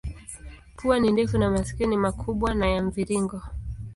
Pua ni ndefu na masikio ni makubwa na ya mviringo.